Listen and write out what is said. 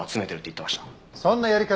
そんなやり方